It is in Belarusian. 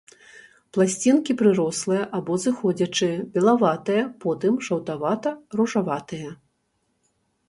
Пласцінкі прырослыя або зыходзячыя, белаватыя, потым жаўтавата-ружаватыя.